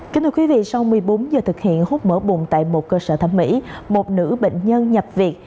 sau một mươi bốn giờ thực hiện hút mở bụng tại một cơ sở thẩm mỹ một nữ bệnh nhân nhập việc